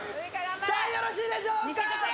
さあよろしいでしょうか。